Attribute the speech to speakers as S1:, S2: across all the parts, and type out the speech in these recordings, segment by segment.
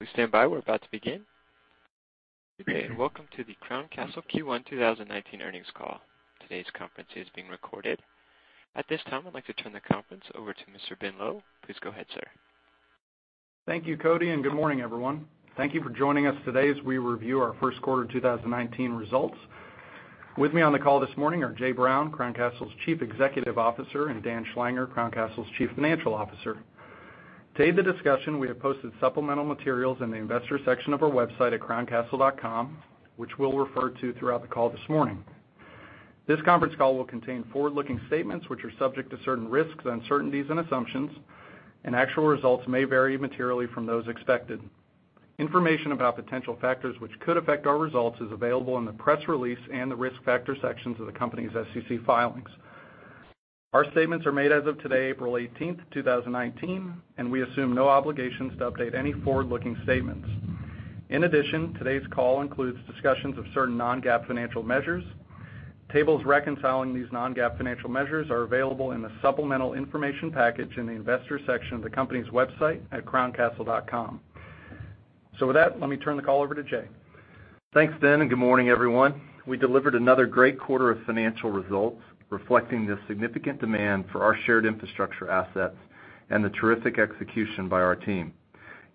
S1: Please stand by. We're about to begin. Good day, welcome to the Crown Castle Q1 2019 earnings call. Today's conference is being recorded. At this time, I'd like to turn the conference over to Mr. Ben Lowe. Please go ahead, sir.
S2: Thank you, Cody. Good morning, everyone. Thank you for joining us today as we review our first quarter 2019 results. With me on the call this morning are Jay Brown, Crown Castle's Chief Executive Officer, and Dan Schlanger, Crown Castle's Chief Financial Officer. Today in the discussion, we have posted supplemental materials in the investor section of our website at crowncastle.com, which we'll refer to throughout the call this morning. This conference call will contain forward-looking statements, which are subject to certain risks, uncertainties, and assumptions. Actual results may vary materially from those expected. Information about potential factors which could affect our results is available in the press release and the risk factor sections of the company's SEC filings. Our statements are made as of today, April 18th, 2019. We assume no obligations to update any forward-looking statements. In addition, today's call includes discussions of certain non-GAAP financial measures. Tables reconciling these non-GAAP financial measures are available in the supplemental information package in the investor section of the company's website at crowncastle.com. With that, let me turn the call over to Jay.
S3: Thanks, Ben. Good morning, everyone. We delivered another great quarter of financial results reflecting the significant demand for our shared infrastructure assets and the terrific execution by our team.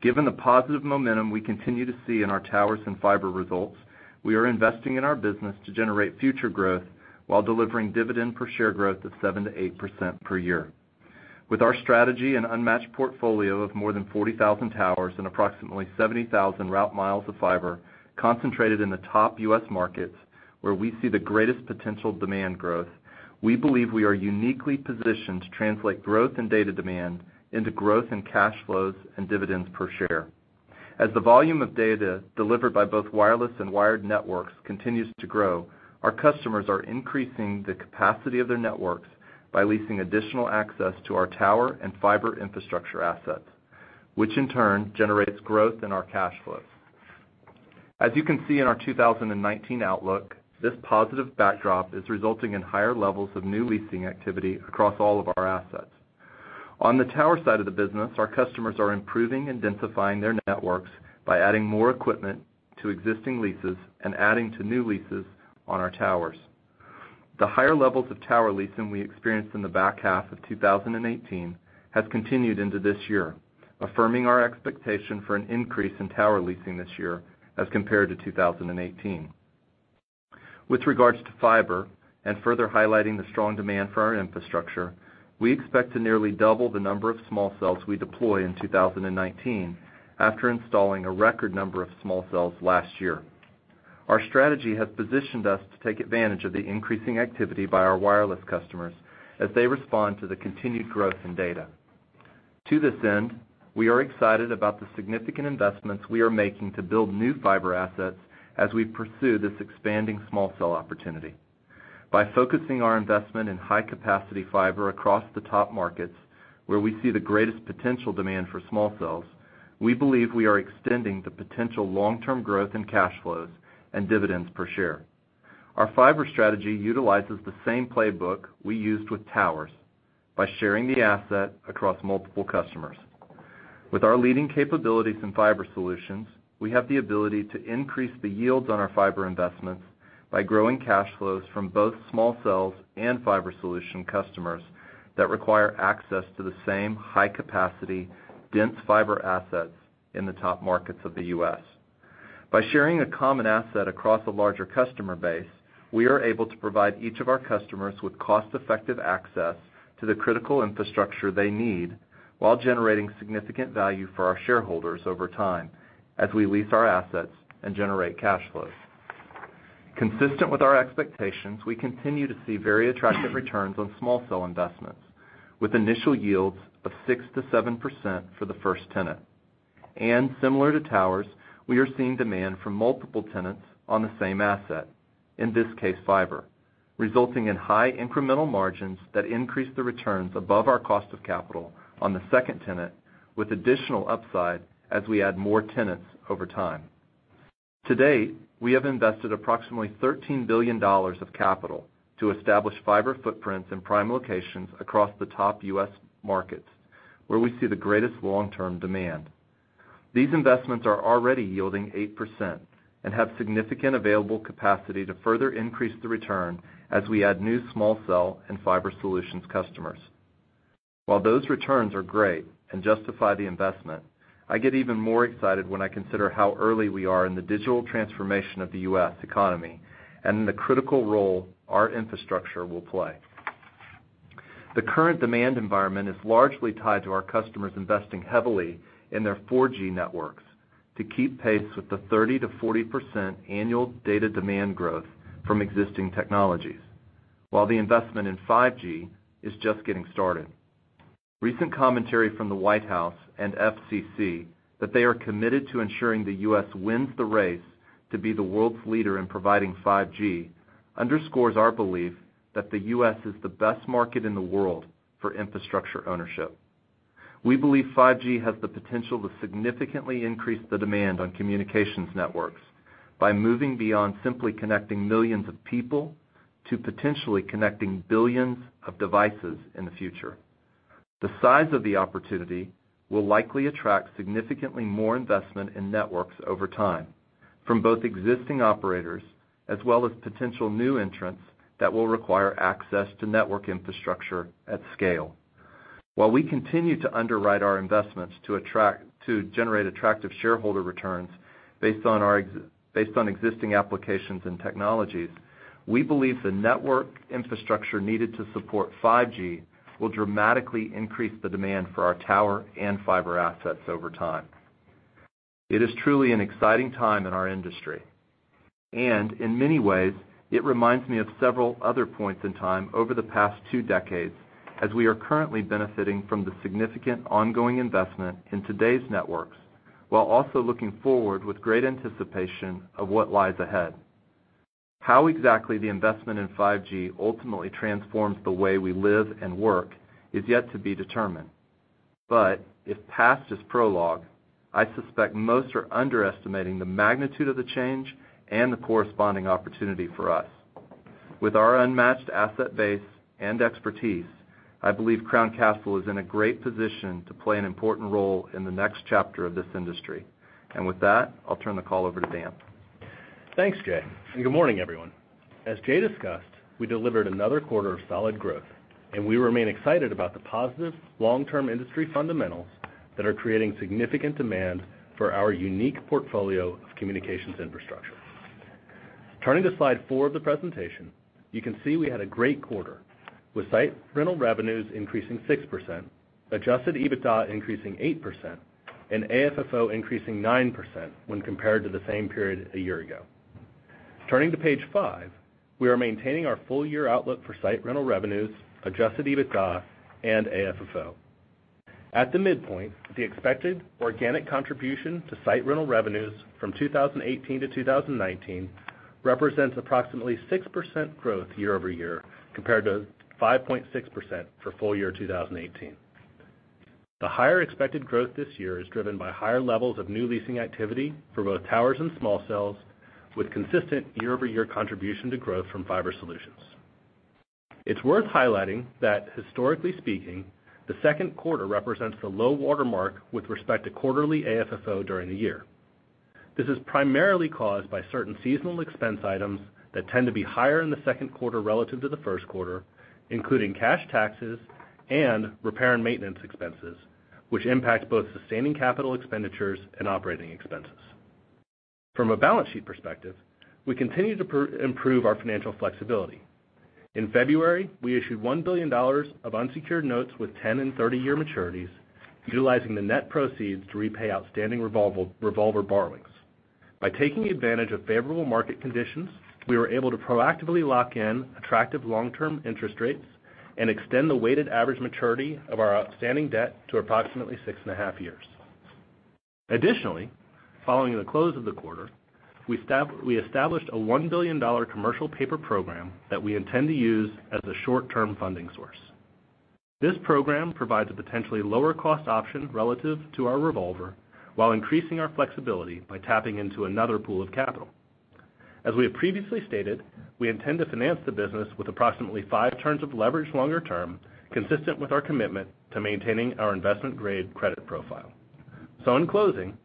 S3: Given the positive momentum we continue to see in our towers and fiber results, we are investing in our business to generate future growth while delivering dividend per share growth of 7%-8% per year. With our strategy and unmatched portfolio of more than 40,000 towers and approximately 70,000 route miles of fiber concentrated in the top U.S. markets where we see the greatest potential demand growth, we believe we are uniquely positioned to translate growth in data demand into growth in cash flows and dividends per share. As the volume of data delivered by both wireless and wired networks continues to grow, our customers are increasing the capacity of their networks by leasing additional access to our tower and fiber infrastructure assets, which in turn generates growth in our cash flows. As you can see in our 2019 outlook, this positive backdrop is resulting in higher levels of new leasing activity across all of our assets. On the tower side of the business, our customers are improving and densifying their networks by adding more equipment to existing leases and adding to new leases on our towers. The higher levels of tower leasing we experienced in the back half of 2018 has continued into this year, affirming our expectation for an increase in tower leasing this year as compared to 2018. With regards to fiber and further highlighting the strong demand for our infrastructure, we expect to nearly double the number of small cells we deploy in 2019 after installing a record number of small cells last year. Our strategy has positioned us to take advantage of the increasing activity by our wireless customers as they respond to the continued growth in data. To this end, we are excited about the significant investments we are making to build new fiber assets as we pursue this expanding small cell opportunity. By focusing our investment in high-capacity fiber across the top markets where we see the greatest potential demand for small cells, we believe we are extending the potential long-term growth in cash flows and dividends per share. Our fiber strategy utilizes the same playbook we used with towers by sharing the asset across multiple customers. With our leading capabilities in Fiber Solutions, we have the ability to increase the yields on our fiber investments by growing cash flows from both small cells and Fiber Solutions customers that require access to the same high-capacity, dense fiber assets in the top markets of the U.S. By sharing a common asset across a larger customer base, we are able to provide each of our customers with cost-effective access to the critical infrastructure they need while generating significant value for our shareholders over time as we lease our assets and generate cash flows. Consistent with our expectations, we continue to see very attractive returns on small cell investments with initial yields of 6% to 7% for the first tenant. Similar to towers, we are seeing demand from multiple tenants on the same asset, in this case, fiber, resulting in high incremental margins that increase the returns above our cost of capital on the second tenant with additional upside as we add more tenants over time. To date, we have invested approximately $13 billion of capital to establish fiber footprints in prime locations across the top U.S. markets where we see the greatest long-term demand. These investments are already yielding 8% and have significant available capacity to further increase the return as we add new small cell and Fiber Solutions customers. While those returns are great and justify the investment, I get even more excited when I consider how early we are in the digital transformation of the U.S. economy and in the critical role our infrastructure will play. The current demand environment is largely tied to our customers investing heavily in their 4G networks to keep pace with the 30%-40% annual data demand growth from existing technologies while the investment in 5G is just getting started. Recent commentary from the White House and FCC that they are committed to ensuring the U.S. wins the race to be the world's leader in providing 5G underscores our belief that the U.S. is the best market in the world for infrastructure ownership. We believe 5G has the potential to significantly increase the demand on communications networks by moving beyond simply connecting millions of people to potentially connecting billions of devices in the future. The size of the opportunity will likely attract significantly more investment in networks over time, from both existing operators as well as potential new entrants that will require access to network infrastructure at scale. While we continue to underwrite our investments to generate attractive shareholder returns based on existing applications and technologies, we believe the network infrastructure needed to support 5G will dramatically increase the demand for our tower and fiber assets over time. It is truly an exciting time in our industry. In many ways, it reminds me of several other points in time over the past two decades, as we are currently benefiting from the significant ongoing investment in today's networks, while also looking forward with great anticipation of what lies ahead. How exactly the investment in 5G ultimately transforms the way we live and work is yet to be determined. If past is prologue, I suspect most are underestimating the magnitude of the change and the corresponding opportunity for us. With our unmatched asset base and expertise, I believe Crown Castle is in a great position to play an important role in the next chapter of this industry. With that, I'll turn the call over to Dan.
S4: Thanks, Jay, good morning, everyone. As Jay discussed, we delivered another quarter of solid growth, we remain excited about the positive long-term industry fundamentals that are creating significant demand for our unique portfolio of communications infrastructure. Turning to slide four of the presentation, you can see we had a great quarter, with site rental revenues increasing 6%, adjusted EBITDA increasing 8%, and AFFO increasing 9% when compared to the same period a year ago. Turning to page five, we are maintaining our full-year outlook for site rental revenues, adjusted EBITDA, and AFFO. At the midpoint, the expected organic contribution to site rental revenues from 2018 to 2019 represents approximately 6% growth year-over-year, compared to 5.6% for full year 2018. The higher expected growth this year is driven by higher levels of new leasing activity for both towers and small cells, with consistent year-over-year contribution to growth from Fiber Solutions. It's worth highlighting that historically speaking, the second quarter represents the low watermark with respect to quarterly AFFO during the year. This is primarily caused by certain seasonal expense items that tend to be higher in the second quarter relative to the first quarter, including cash taxes and repair and maintenance expenses, which impact both sustaining capital expenditures and operating expenses. From a balance sheet perspective, we continue to improve our financial flexibility. In February, we issued $1 billion of unsecured notes with 10 and 30-year maturities, utilizing the net proceeds to repay outstanding revolver borrowings. By taking advantage of favorable market conditions, we were able to proactively lock in attractive long-term interest rates and extend the weighted average maturity of our outstanding debt to approximately six and a half years. Additionally, following the close of the quarter, we established a $1 billion commercial paper program that we intend to use as a short-term funding source. This program provides a potentially lower cost option relative to our revolver while increasing our flexibility by tapping into another pool of capital. As we have previously stated, we intend to finance the business with approximately five turns of leverage longer term, consistent with our commitment to maintaining our investment-grade credit profile. In closing,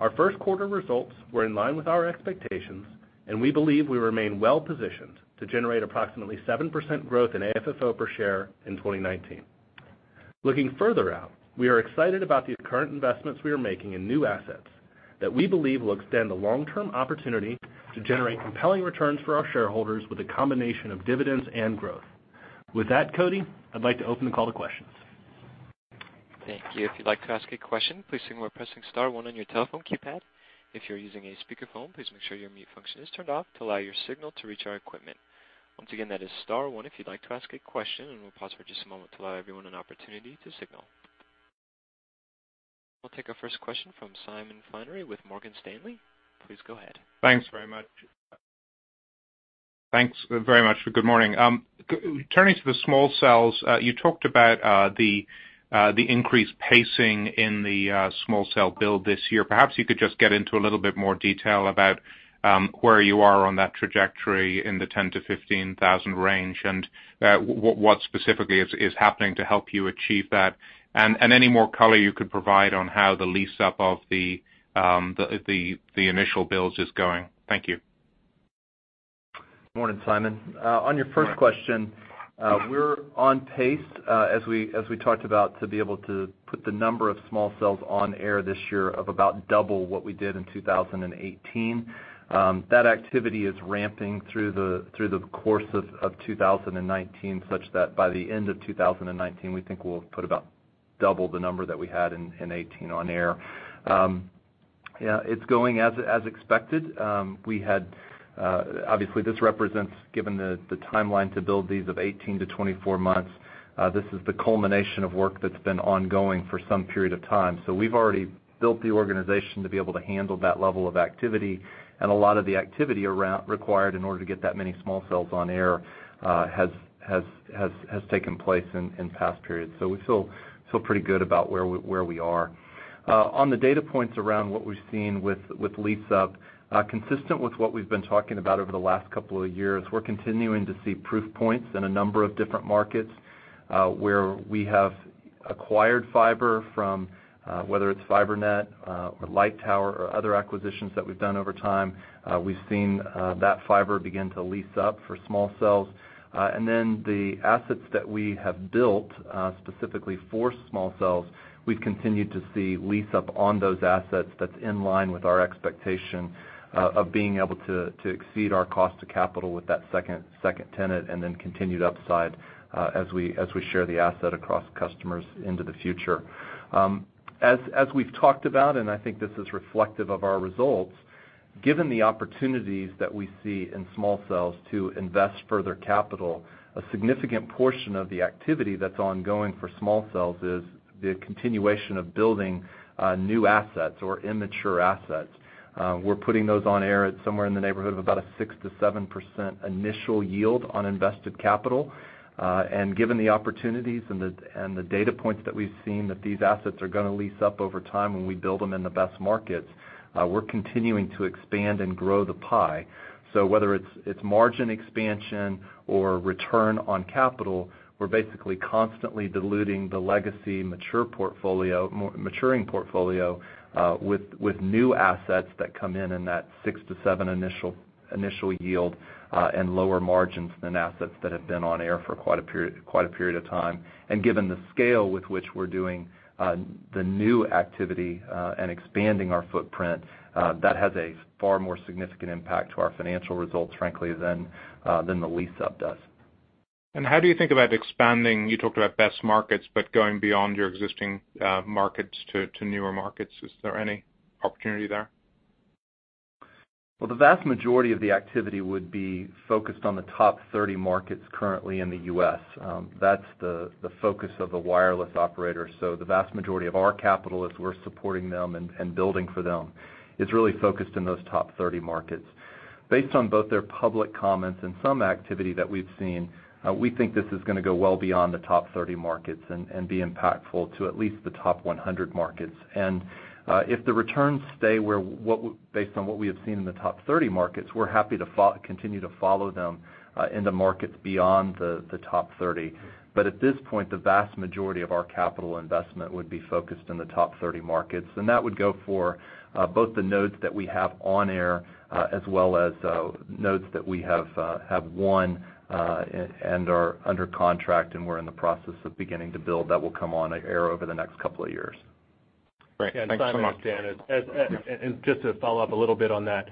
S4: our first quarter results were in line with our expectations, and we believe we remain well positioned to generate approximately 7% growth in AFFO per share in 2019. Looking further out, we are excited about these current investments we are making in new assets that we believe will extend the long-term opportunity to generate compelling returns for our shareholders with a combination of dividends and growth. With that, Cody, I'd like to open the call to questions.
S1: Thank you. If you'd like to ask a question, please signal by pressing *1 on your telephone keypad. If you're using a speakerphone, please make sure your mute function is turned off to allow your signal to reach our equipment. Once again, that is *1 if you'd like to ask a question, and we'll pause for just a moment to allow everyone an opportunity to signal. We'll take our first question from Simon Flannery with Morgan Stanley. Please go ahead.
S5: Thanks very much. Good morning. Turning to the small cells, you talked about the increased pacing in the small cell build this year. Perhaps you could just get into a little bit more detail about where you are on that trajectory in the 10,000-15,000 range and what specifically is happening to help you achieve that. Any more color you could provide on how the lease up of the initial builds is going. Thank you.
S3: Morning, Simon. On your first question, we're on pace, as we talked about, to be able to put the number of small cells on air this year of about double what we did in 2018. That activity is ramping through the course of 2019, such that by the end of 2019, we think we'll put about double the number that we had in 2018 on air. It's going as expected. Obviously, this represents, given the timeline to build these of 18-24 months, this is the culmination of work that's been ongoing for some period of time. We've already built the organization to be able to handle that level of activity. A lot of the activity required in order to get that many small cells on air has taken place in past periods. We feel pretty good about where we are. On the data points around what we've seen with lease up, consistent with what we've been talking about over the last couple of years, we're continuing to see proof points in a number of different markets where we have acquired fiber from, whether it's FiberNet or Lightower or other acquisitions that we've done over time, we've seen that fiber begin to lease up for small cells. The assets that we have built specifically for small cells, we've continued to see lease up on those assets that's in line with our expectation of being able to exceed our cost to capital with that second tenant, and then continued upside as we share the asset across customers into the future. As we've talked about, I think this is reflective of our results, given the opportunities that we see in small cells to invest further capital, a significant portion of the activity that's ongoing for small cells is the continuation of building new assets or immature assets. We're putting those on air at somewhere in the neighborhood of about a 6%-7% initial yield on invested capital. Given the opportunities and the data points that we've seen that these assets are going to lease up over time when we build them in the best markets, we're continuing to expand and grow the pie. Whether it's margin expansion or return on capital, we're basically constantly diluting the legacy maturing portfolio, with new assets that come in in that 6%-7% initial yield, and lower margins than assets that have been on air for quite a period of time. Given the scale with which we're doing the new activity, and expanding our footprint, that has a far more significant impact to our financial results, frankly, than the lease up does.
S5: How do you think about expanding? You talked about best markets, going beyond your existing markets to newer markets. Is there any opportunity there?
S3: Well, the vast majority of the activity would be focused on the top 30 markets currently in the U.S. That's the focus of the wireless operator. The vast majority of our capital, as we're supporting them and building for them, is really focused in those top 30 markets. Based on both their public comments and some activity that we've seen, we think this is going to go well beyond the top 30 markets and be impactful to at least the top 100 markets. If the returns stay based on what we have seen in the top 30 markets, we're happy to continue to follow them into markets beyond the top 30. At this point, the vast majority of our capital investment would be focused in the top 30 markets, that would go for both the nodes that we have on air, as well as nodes that we have won, are under contract, we're in the process of beginning to build that will come on air over the next couple of years.
S4: Great. Thanks so much.
S5: Yeah, Dan, just to follow up a little bit on that.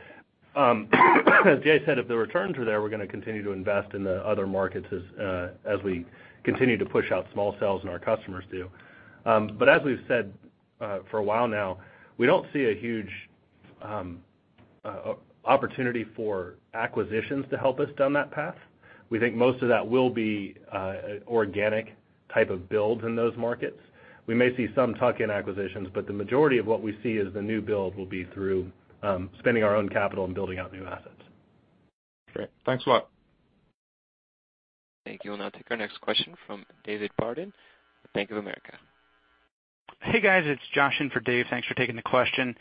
S5: As Jay said, if the returns are there, we're going to continue to invest in the other markets as we continue to push out small cells and our customers do. As we've said for a while now, we don't see a huge opportunity for acquisitions to help us down that path. We think most of that will be organic type of builds in those markets. We may see some tuck-in acquisitions, but the majority of what we see is the new build will be through spending our own capital and building out new assets. Great. Thanks a lot.
S1: Thank you. We'll now take our next question from David Barden, Bank of America.
S6: Hey, guys, it's Josh in for Dave. Thanks for taking the question.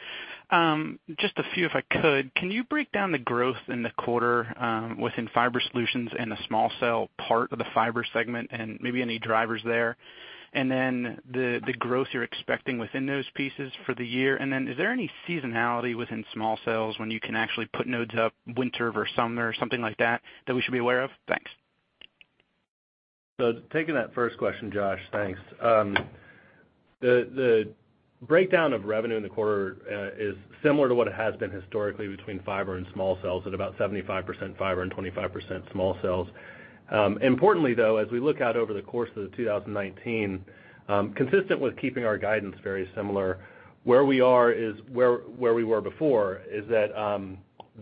S6: Just a few, if I could. Can you break down the growth in the quarter within Fiber Solutions and the small cell part of the fiber segment, and maybe any drivers there? The growth you're expecting within those pieces for the year. Is there any seasonality within small cells when you can actually put nodes up winter versus summer or something like that we should be aware of? Thanks.
S4: Taking that first question, Josh, thanks. The breakdown of revenue in the quarter is similar to what it has been historically between fiber and small cells, at about 75% fiber and 25% small cells. Importantly, though, as we look out over the course of 2019, consistent with keeping our guidance very similar, where we are is where we were before, is that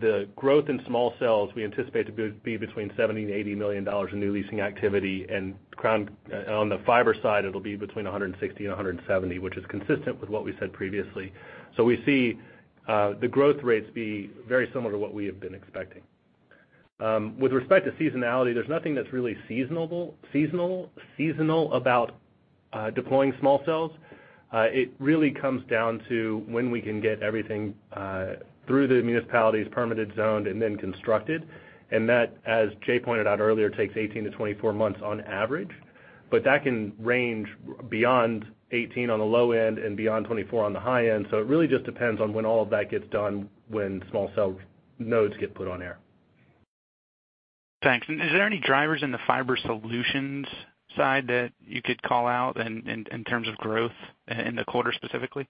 S4: the growth in small cells we anticipate to be between $70 million and $80 million in new leasing activity, and on the fiber side, it'll be between $160 million and $170 million, which is consistent with what we said previously. We see the growth rates be very similar to what we have been expecting. With respect to seasonality, there's nothing that's really seasonal about deploying small cells. It really comes down to when we can get everything through the municipalities permitted, zoned, and then constructed, and that, as Jay pointed out earlier, takes 18 to 24 months on average. That can range beyond 18 on the low end and beyond 24 on the high end. It really just depends on when all of that gets done when small cell nodes get put on air.
S6: Thanks. Is there any drivers in the Fiber Solutions side that you could call out in terms of growth in the quarter specifically?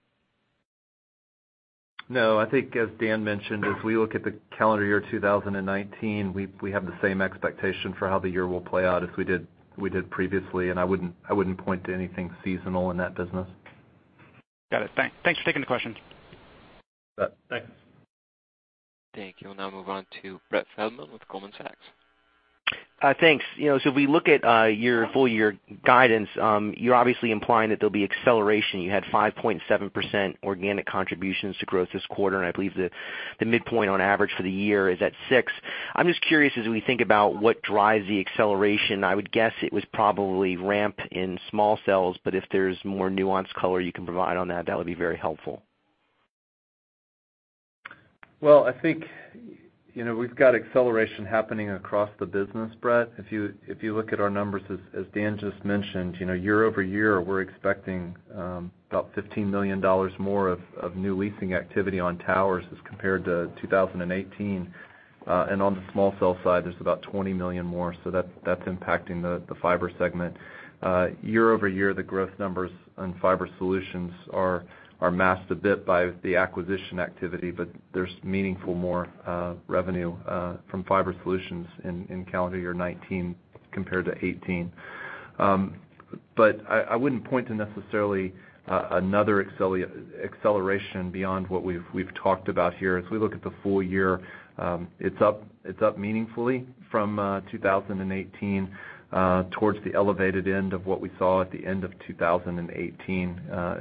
S3: No, I think as Dan mentioned, as we look at the calendar year 2019, we have the same expectation for how the year will play out as we did previously, and I wouldn't point to anything seasonal in that business.
S6: Got it. Thanks for taking the question.
S5: Thanks.
S1: Thank you. We'll now move on to Brett Feldman with Goldman Sachs.
S7: Thanks. We look at your full year guidance, you're obviously implying that there'll be acceleration. You had 5.7% organic contributions to growth this quarter, and I believe the midpoint on average for the year is at 6.0%. I'm just curious as we think about what drives the acceleration. I would guess it was probably ramp in small cells, but if there's more nuanced color you can provide on that would be very helpful.
S3: I think we've got acceleration happening across the business, Brett. If you look at our numbers, as Dan just mentioned, year-over-year, we're expecting about $15 million more of new leasing activity on towers as compared to 2018. On the small cell side, there's about $20 million more, that's impacting the fiber segment. Year-over-year, the growth numbers on Fiber Solutions are masked a bit by the acquisition activity, but there's meaningful more revenue from Fiber Solutions in calendar year 2019 compared to 2018. I wouldn't point to necessarily another acceleration beyond what we've talked about here. As we look at the full year, it's up meaningfully from 2018 towards the elevated end of what we saw at the end of 2018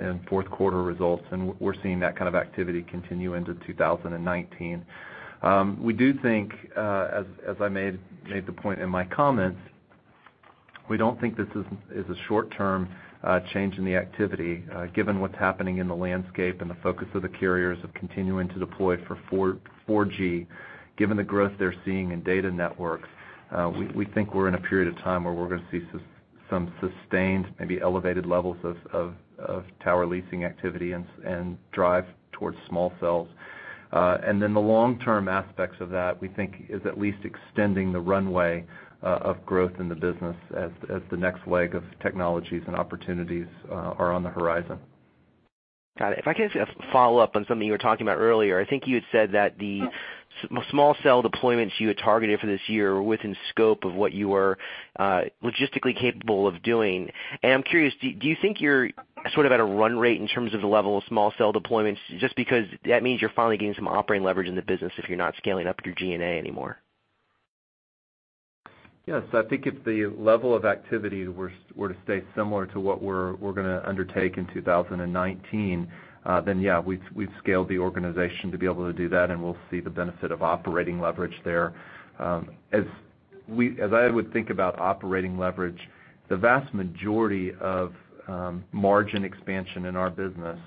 S3: in fourth quarter results, and we're seeing that kind of activity continue into 2019. We do think, as I made the point in my comments, we don't think this is a short-term change in the activity, given what's happening in the landscape and the focus of the carriers of continuing to deploy for 4G, given the growth they're seeing in data networks. We think we're in a period of time where we're going to see some sustained, maybe elevated levels of tower leasing activity and drive towards small cells. The long-term aspects of that, we think, is at least extending the runway of growth in the business as the next leg of technologies and opportunities are on the horizon.
S7: Got it. If I can ask a follow-up on something you were talking about earlier. I think you had said that the small cell deployments you had targeted for this year were within scope of what you were logistically capable of doing. I'm curious, do you think you're sort of at a run rate in terms of the level of small cell deployments, just because that means you're finally getting some operating leverage in the business if you're not scaling up your G&A anymore?
S3: I think if the level of activity were to stay similar to what we're going to undertake in 2019, yeah, we've scaled the organization to be able to do that, and we'll see the benefit of operating leverage there. I would think about operating leverage, the vast majority of margin expansion in our business,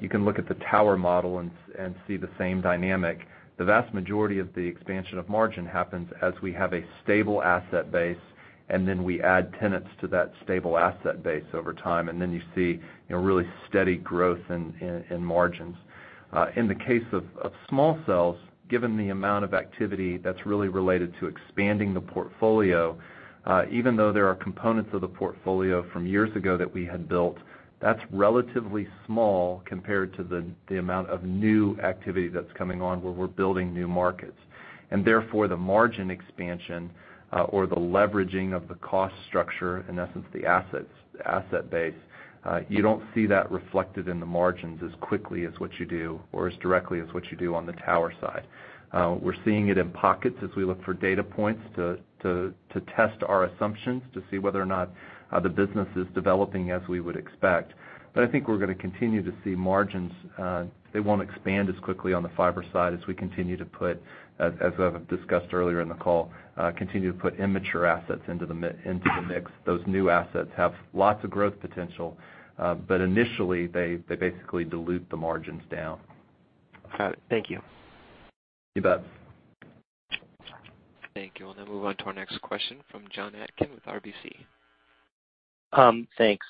S3: you can look at the tower model and see the same dynamic. The vast majority of the expansion of margin happens as we have a stable asset base, we add tenants to that stable asset base over time, you see really steady growth in margins. In the case of small cells, given the amount of activity that's really related to expanding the portfolio, even though there are components of the portfolio from years ago that we had built, that's relatively small compared to the amount of new activity that's coming on where we're building new markets. Therefore, the margin expansion, or the leveraging of the cost structure, in essence, the asset base, you don't see that reflected in the margins as quickly as what you do or as directly as what you do on the tower side. We're seeing it in pockets as we look for data points to test our assumptions to see whether or not the business is developing as we would expect. I think we're going to continue to see margins. They won't expand as quickly on the fiber side as we continue to put, as I've discussed earlier in the call, continue to put immature assets into the mix. Those new assets have lots of growth potential, but initially, they basically dilute the margins down.
S7: Got it. Thank you.
S3: You bet.
S1: Thank you. We'll now move on to our next question from Jonathan Atkin with RBC.
S8: Thanks.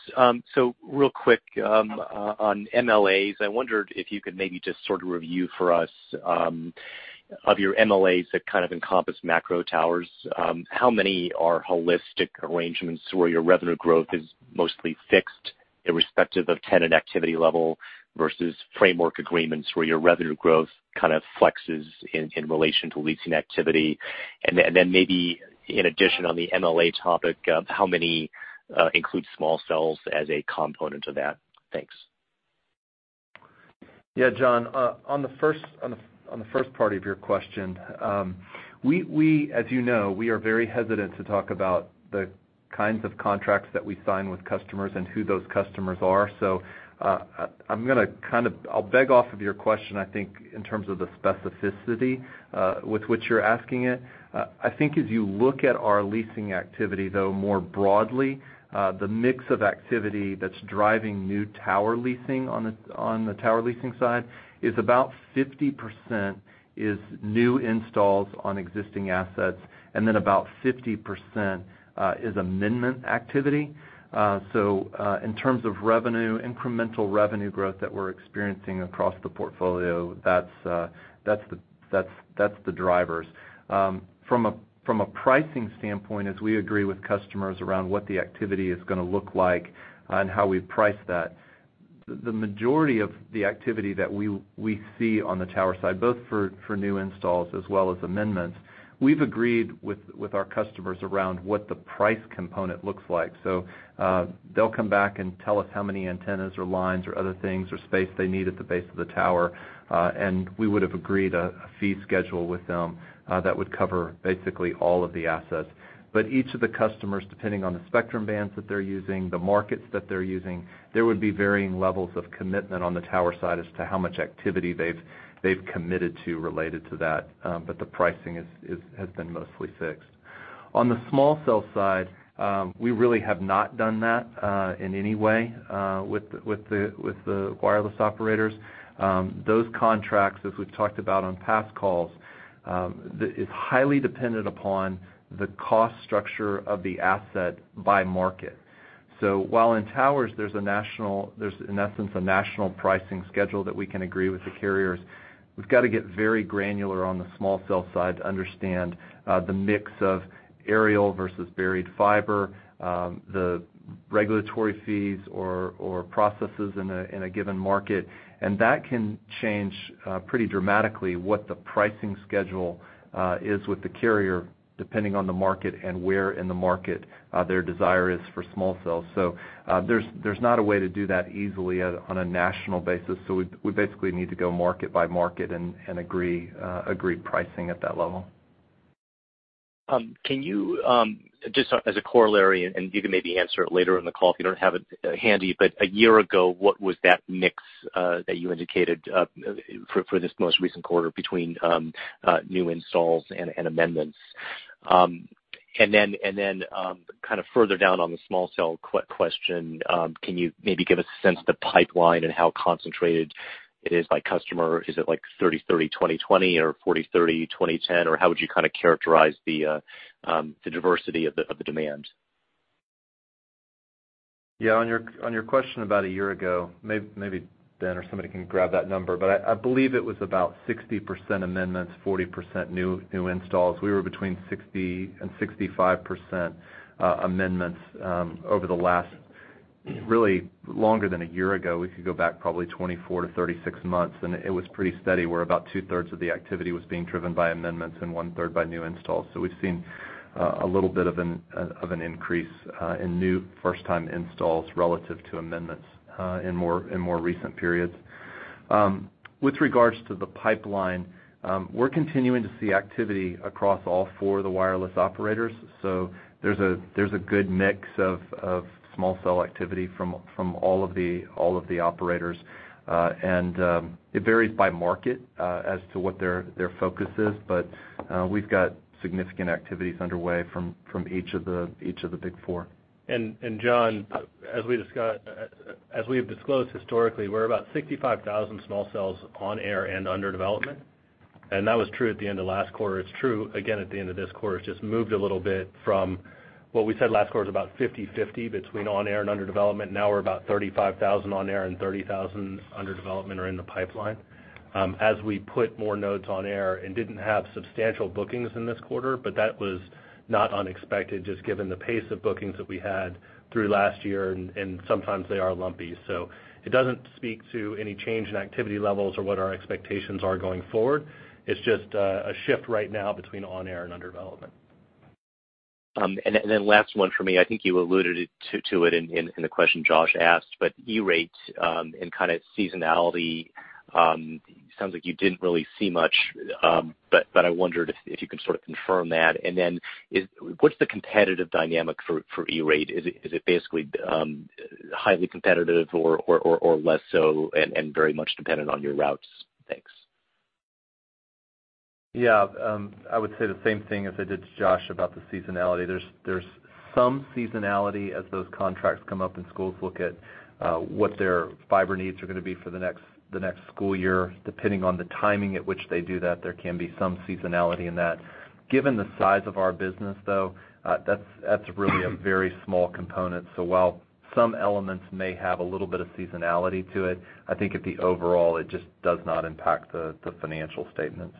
S8: Real quick, on MLAs, I wondered if you could maybe just sort of review for us of your MLAs that kind of encompass macro towers, how many are holistic arrangements where your revenue growth is mostly fixed, irrespective of tenant activity level, versus framework agreements where your revenue growth kind of flexes in relation to leasing activity? And then maybe in addition on the MLA topic, how many include small cells as a component of that? Thanks.
S3: Yeah, John. On the first part of your question, as you know, we are very hesitant to talk about the kinds of contracts that we sign with customers and who those customers are, so I'll beg off of your question, I think, in terms of the specificity with which you're asking it. I think as you look at our leasing activity, though, more broadly, the mix of activity that's driving new tower leasing on the tower leasing side is about 50% is new installs on existing assets, and then about 50% is amendment activity. In terms of incremental revenue growth that we're experiencing across the portfolio, that's the drivers. From a pricing standpoint, as we agree with customers around what the activity is going to look like and how we price that, the majority of the activity that we see on the tower side, both for new installs as well as amendments, we've agreed with our customers around what the price component looks like. They'll come back and tell us how many antennas or lines or other things or space they need at the base of the tower, and we would have agreed a fee schedule with them that would cover basically all of the assets. Each of the customers, depending on the spectrum bands that they're using, the markets that they're using, there would be varying levels of commitment on the tower side as to how much activity they've committed to related to that, but the pricing has been mostly fixed. On the small cell side, we really have not done that in any way with the wireless operators. Those contracts, as we've talked about on past calls, is highly dependent upon the cost structure of the asset by market. While in towers, there's, in essence, a national pricing schedule that we can agree with the carriers, we've got to get very granular on the small cell side to understand the mix of aerial versus buried fiber, the regulatory fees or processes in a given market. That can change pretty dramatically what the pricing schedule is with the carrier, depending on the market and where in the market their desire is for small cells. There's not a way to do that easily on a national basis. We basically need to go market by market and agree pricing at that level.
S8: Can you, just as a corollary, you can maybe answer it later in the call if you don't have it handy, a year ago, what was that mix that you indicated for this most recent quarter between new installs and amendments? Then, further down on the small cell question, can you maybe give a sense of the pipeline and how concentrated it is by customer? Is it like 30/30/20/20 or 40/30/20/10? Or how would you characterize the diversity of the demand?
S3: On your question about a year ago, maybe Ben or somebody can grab that number, I believe it was about 60% amendments, 40% new installs. We were between 60%-65% amendments over the last, really longer than a year ago. We could go back probably 24-36 months, and it was pretty steady, where about two-thirds of the activity was being driven by amendments and one-third by new installs. We've seen a little bit of an increase in new first-time installs relative to amendments in more recent periods. With regards to the pipeline, we're continuing to see activity across all four of the wireless operators. There's a good mix of small cell activity from all of the operators. It varies by market as to what their focus is, we've got significant activities underway from each of the big four.
S4: John, as we have disclosed historically, we're about 65,000 small cells on air and under development, and that was true at the end of last quarter. It's true, again, at the end of this quarter. It's just moved a little bit from what we said last quarter was about 50/50 between on air and under development. Now we're about 35,000 on air and 30,000 under development or in the pipeline. As we put more nodes on air and didn't have substantial bookings in this quarter, but that was not unexpected, just given the pace of bookings that we had through last year, and sometimes they are lumpy. It doesn't speak to any change in activity levels or what our expectations are going forward. It's just a shift right now between on air and under development.
S8: Last one for me. I think you alluded to it in the question Josh asked, but E-Rate and seasonality, sounds like you didn't really see much, but I wondered if you can sort of confirm that. What's the competitive dynamic for E-Rate? Is it basically highly competitive or less so and very much dependent on your routes? Thanks.
S3: I would say the same thing as I did to Josh about the seasonality. There's some seasonality as those contracts come up and schools look at what their fiber needs are going to be for the next school year. Depending on the timing at which they do that, there can be some seasonality in that. Given the size of our business, though, that's really a very small component. While some elements may have a little bit of seasonality to it, I think at the overall, it just does not impact the financial statements.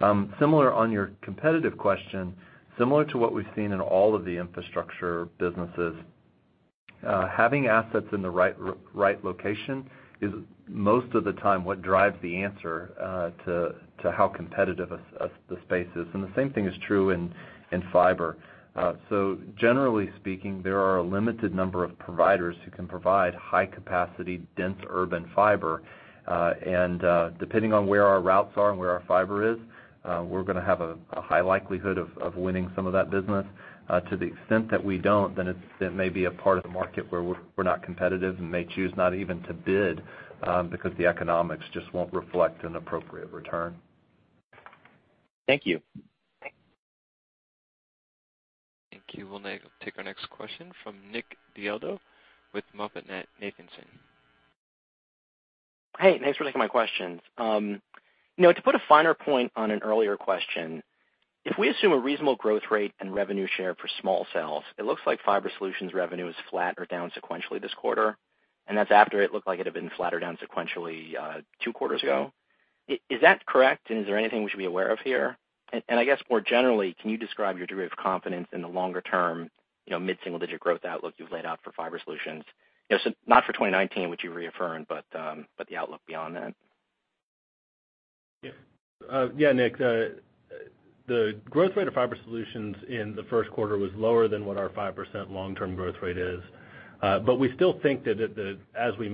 S3: On your competitive question, similar to what we've seen in all of the infrastructure businesses, having assets in the right location is most of the time what drives the answer to how competitive the space is. The same thing is true in fiber. Generally speaking, there are a limited number of providers who can provide high-capacity, dense urban fiber. Depending on where our routes are and where our fiber is, we're going to have a high likelihood of winning some of that business. To the extent that we don't, then it may be a part of the market where we're not competitive and may choose not even to bid because the economics just won't reflect an appropriate return.
S8: Thank you.
S1: Thank you. We'll now take our next question from Nick Del Deo with MoffettNathanson.
S9: Hey, thanks for taking my questions. To put a finer point on an earlier question, if we assume a reasonable growth rate and revenue share for small cells, it looks like Fiber Solutions' revenue is flat or down sequentially this quarter, and that's after it looked like it had been flatter down sequentially two quarters ago. Is that correct? Is there anything we should be aware of here? I guess more generally, can you describe your degree of confidence in the longer-term mid-single-digit growth outlook you've laid out for Fiber Solutions? So not for 2019, which you reaffirmed, but the outlook beyond that.
S4: Yeah, Nick. The growth rate of Fiber Solutions in the first quarter was lower than what our 5% long-term growth rate is. We still think that, as we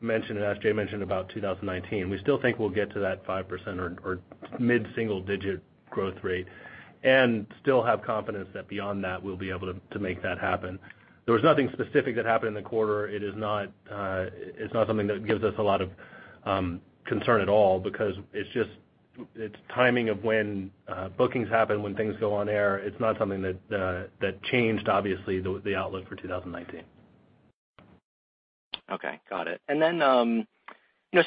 S4: mentioned, and as Jay mentioned about 2019, we still think we'll get to that 5% or mid-single-digit growth rate and still have confidence that beyond that, we'll be able to make that happen. There was nothing specific that happened in the quarter. It's not something that gives us a lot of concern at all because it's timing of when bookings happen, when things go on air. It's not something that changed, obviously, the outlook for 2019.
S9: Okay, got it.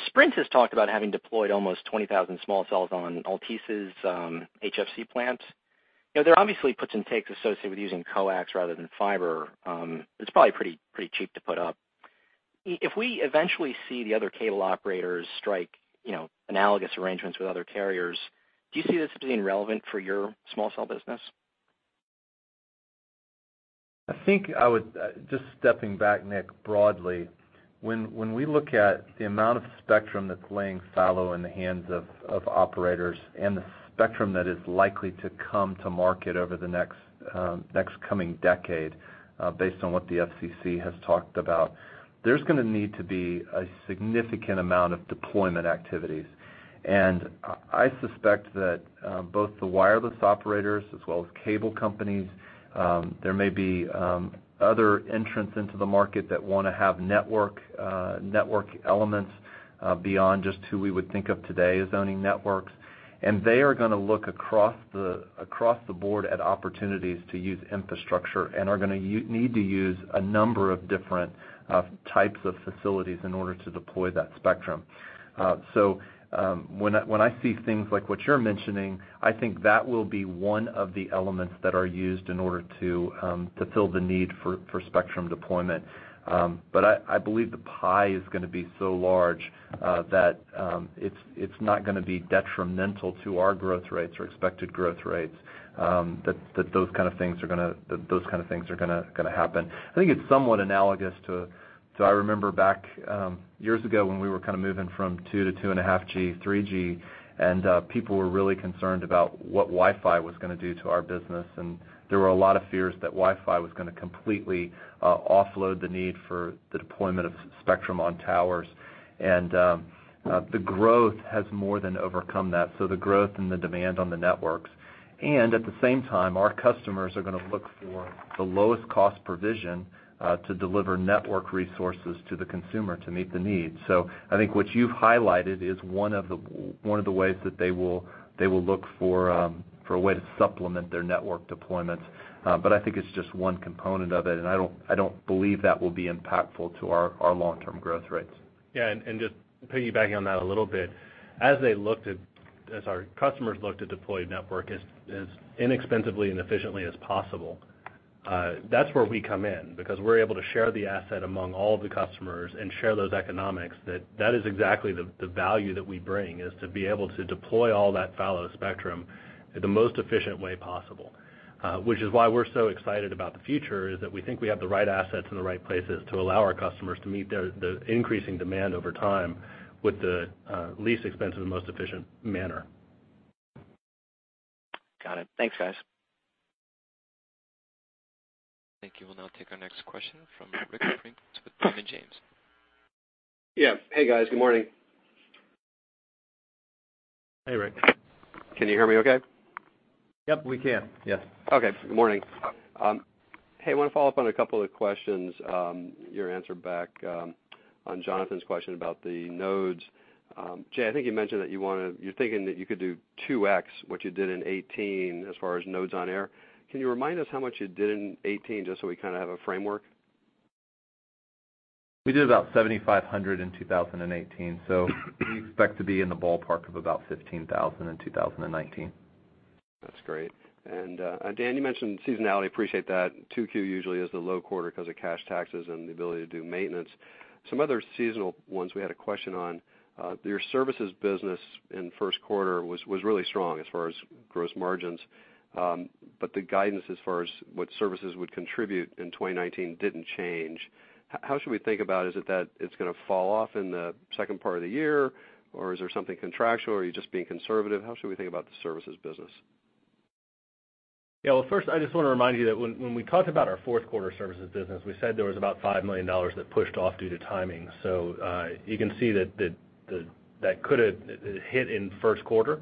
S9: Sprint has talked about having deployed almost 20,000 small cells on Altice's HFC plant. There are obviously puts and takes associated with using coax rather than fiber. It's probably pretty cheap to put up. If we eventually see the other cable operators strike analogous arrangements with other carriers, do you see this being relevant for your small cell business?
S3: I think, just stepping back, Nick, broadly, when we look at the amount of spectrum that's laying fallow in the hands of operators and the spectrum that is likely to come to market over the next coming decade, based on what the FCC has talked about, there's going to need to be a significant amount of deployment activities. I suspect that both the wireless operators as well as cable companies, there may be other entrants into the market that want to have network elements beyond just who we would think of today as owning networks. They are going to look across the board at opportunities to use infrastructure and are going to need to use a number of different types of facilities in order to deploy that spectrum. When I see things like what you're mentioning, I think that will be one of the elements that are used in order to fulfill the need for spectrum deployment. I believe the pie is going to be so large that it's not going to be detrimental to our growth rates or expected growth rates, that those kind of things are going to happen. I think it's somewhat analogous to, I remember back, years ago when we were kind of moving from 2 to 2.5G, 3G, and people were really concerned about what Wi-Fi was going to do to our business, and there were a lot of fears that Wi-Fi was going to completely offload the need for the deployment of spectrum on towers. The growth has more than overcome that. The growth and the demand on the networks. At the same time, our customers are going to look for the lowest cost provision to deliver network resources to the consumer to meet the needs. I think what you've highlighted is one of the ways that they will look for a way to supplement their network deployments. I think it's just one component of it, and I don't believe that will be impactful to our long-term growth rates.
S4: Yeah, and just piggybacking on that a little bit. As our customers look to deploy network as inexpensively and efficiently as possible, that's where we come in because we're able to share the asset among all of the customers and share those economics. That is exactly the value that we bring, is to be able to deploy all that fallow spectrum in the most efficient way possible. Which is why we're so excited about the future, is that we think we have the right assets in the right places to allow our customers to meet the increasing demand over time with the least expensive and most efficient manner.
S9: Got it. Thanks, guys.
S1: Thank you. We'll now take our next question from Ric Prentiss with Raymond James.
S10: Yeah. Hey, guys. Good morning.
S3: Hey, Ric.
S10: Can you hear me okay?
S4: Yep, we can. Yes.
S10: Okay. Good morning. Hey, I want to follow up on a couple of questions, your answer back on Jonathan's question about the nodes. Jay, I think you mentioned that you're thinking that you could do 2x what you did in 2018 as far as nodes on air. Can you remind us how much you did in 2018, just so we kind of have a framework?
S3: We did about 7,500 in 2018, so we expect to be in the ballpark of about 15,000 in 2019.
S10: That's great. Dan, you mentioned seasonality. Appreciate that. 2Q usually is the low quarter because of cash taxes and the ability to do maintenance. Some other seasonal ones we had a question on. Your services business in first quarter was really strong as far as gross margins. The guidance as far as what services would contribute in 2019 didn't change. How should we think about, is it that it's going to fall off in the second part of the year, or is there something contractual, or are you just being conservative? How should we think about the services business?
S4: Yeah. Well, first, I just want to remind you that when we talked about our fourth quarter services business, we said there was about $5 million that pushed off due to timing. You can see that could've hit in first quarter.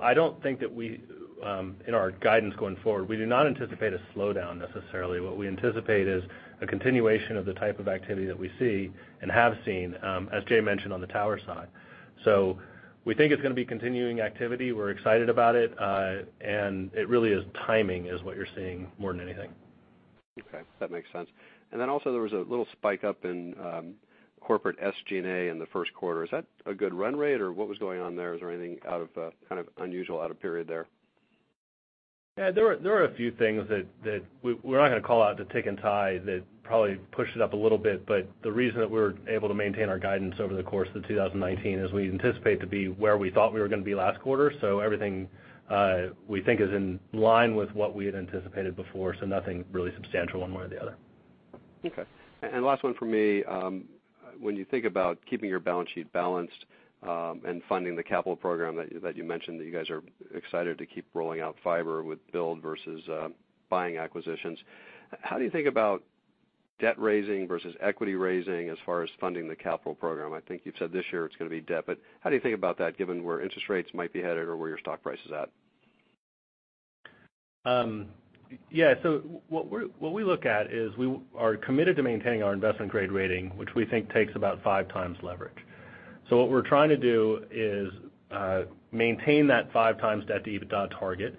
S4: I don't think that in our guidance going forward, we do not anticipate a slowdown, necessarily. What we anticipate is a continuation of the type of activity that we see and have seen, as Jay mentioned on the tower side. We think it's going to be continuing activity. We're excited about it. It really is timing is what you're seeing more than anything.
S10: Okay. That makes sense. Also, there was a little spike up in corporate SG&A in the first quarter. Is that a good run rate, or what was going on there? Is there anything kind of unusual out of period there?
S4: Yeah, there were a few things that we're not going to call out the tick and tie that probably pushed it up a little bit, but the reason that we were able to maintain our guidance over the course of 2019 is we anticipate to be where we thought we were going to be last quarter. Everything we think is in line with what we had anticipated before, nothing really substantial one way or the other.
S10: Okay. Last one from me. When you think about keeping your balance sheet balanced and funding the capital program that you mentioned that you guys are excited to keep rolling out fiber with build versus buying acquisitions, how do you think about debt raising versus equity raising as far as funding the capital program? I think you've said this year it's going to be debt, how do you think about that given where interest rates might be headed or where your stock price is at?
S4: Yeah. What we look at is we are committed to maintaining our investment grade rating, which we think takes about five times leverage. What we're trying to do is maintain that five times debt to EBITDA target,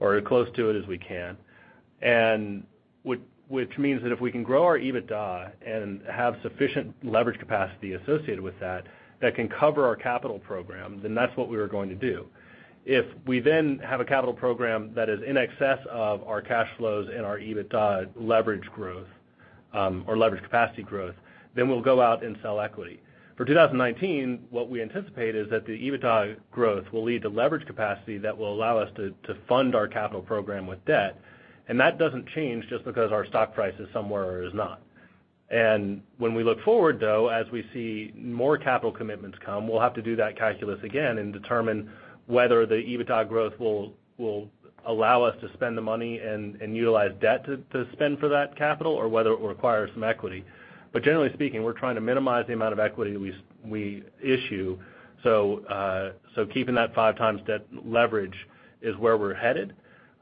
S4: or as close to it as we can. Which means that if we can grow our EBITDA and have sufficient leverage capacity associated with that can cover our capital program, that's what we are going to do. If we have a capital program that is in excess of our cash flows and our EBITDA leverage growth or leverage capacity growth, we'll go out and sell equity. For 2019, what we anticipate is that the EBITDA growth will lead to leverage capacity that will allow us to fund our capital program with debt, that doesn't change just because our stock price is somewhere or is not. When we look forward, though, as we see more capital commitments come, we'll have to do that calculus again and determine whether the EBITDA growth will allow us to spend the money and utilize debt to spend for that capital, or whether it will require some equity. Generally speaking, we're trying to minimize the amount of equity we issue. Keeping that five times debt leverage is where we're headed.